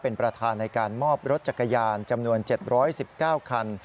เป็นประธานในการมอบรถจักรยานจำนวน๗๑๙คัน